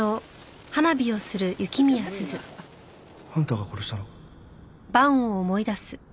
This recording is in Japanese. あんたが殺したのか？